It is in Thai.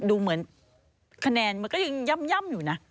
ดูเหมือนคะแนนมันก็ยังย่ำอยู่นะ